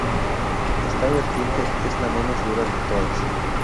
Esta vertiente es la menos dura de todas.